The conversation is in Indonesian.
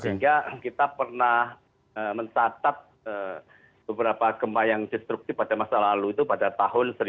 sehingga kita pernah mencatat beberapa gempa yang destruktif pada masa lalu itu pada tahun seribu sembilan ratus delapan puluh